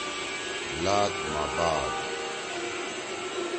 لات ما بعد